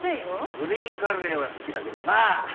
グリーンカレーは好きだけどな。